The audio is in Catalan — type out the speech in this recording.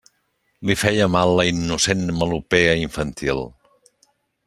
Li feia mal la innocent melopea infantil.